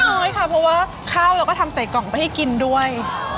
น้อยค่ะเพราะว่าข้าวเราก็ทำใส่กล่องไปให้กินด้วย